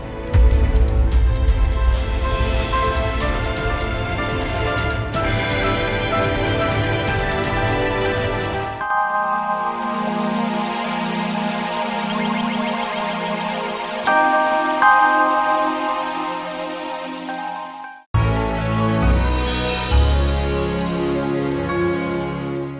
aku mau ke rumah